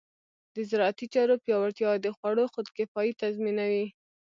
د زراعتي چارو پیاوړتیا د خوړو خودکفایي تضمینوي.